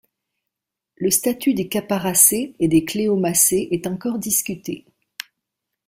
Le statut des Capparacées et des Cléomacées est encore discuté.